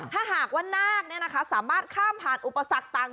ถ้าหากว่านาคสามารถข้ามผ่านอุปสรรคต่าง